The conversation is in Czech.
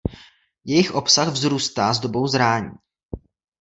Jejich obsah vzrůstá s dobou zrání.